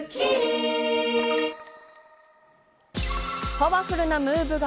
パワフルなムーブが